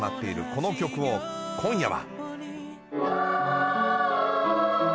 この曲を今夜は。